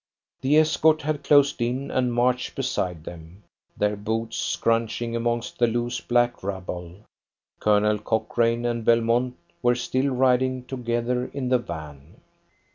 The escort had closed in, and marched beside them, their boots scrunching among the loose black rubble. Colonel Cochrane and Belmont were still riding together in the van.